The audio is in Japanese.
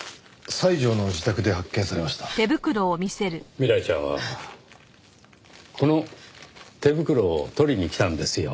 未来ちゃんはこの手袋を取りに来たんですよ。